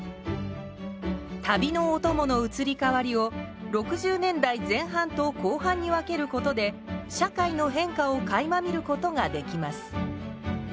旅のお供の移り変わりを６０年代前半と後半に分けることで社会の変化をかいま見ることができます。